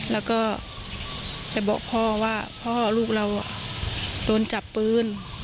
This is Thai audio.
แล้วก็ไปบอกพ่อว่าพ่อลูกเราโดนจับปืน